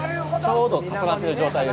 ちょうど重なっている状態です。